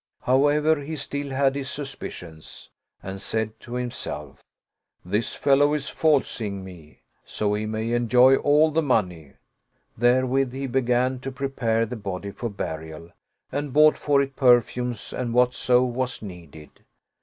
However, he still had his sus picions and said to himself, " This fellow is falsing me, so he may enjoy all the money." Therewith he began to pre pare the body for burial and bought for it perfumes and whatso was needed.